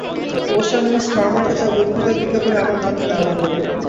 অবশ্য আমি মিস ফার্মারকে তাঁর বক্তৃতার বিজ্ঞাপনে আমার নাম দিতে মানা করব।